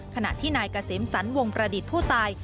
ขณะที่นายเกษมสรรวงประดิษฐ์ผู้ตาย